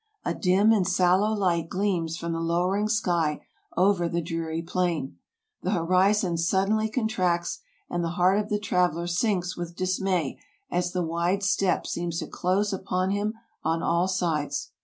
A dim and sallow light gleams from the lowering sky over the dreary plain. The horizon suddenly contracts, and the heart of the traveler sinks with dismay as the wide steppe seems to close upon him on all sides.